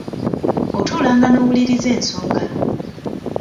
Otuulanga n’owulirirza ensonga.